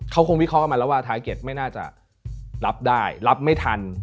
เขาคงวิเคราะห์มาแล้วว่าไทยเก็ตไม่น่าจะรับได้รับไม่ทัน